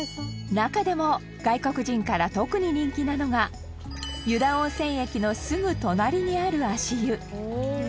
中でも外国人から特に人気なのが湯田温泉駅のすぐ隣にある足湯